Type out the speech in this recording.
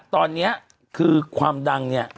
ตอนนี้คือความดังเนี่ย